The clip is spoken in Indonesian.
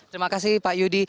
terima kasih pak yudi